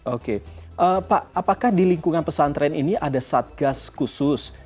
oke pak apakah di lingkungan pesantren ini ada satgas khusus